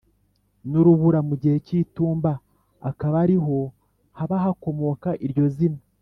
n’urubura mu gihe cy’itumba; akaba ari ho haba hakomoka iryo zina)